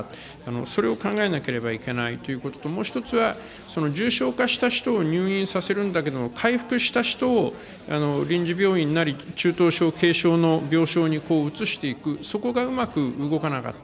それを考えなければいけないということと、もう一つは、重症化した人を入院させるんだけれども、回復した人を臨時病院なり、中等症・軽症の病床に移していく、そこがうまく動かなかった。